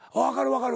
分かる。